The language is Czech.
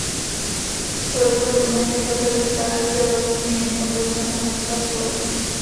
Po rozpadu unie začal každý stát používat vlastní měny odvozené od zaniklé společné.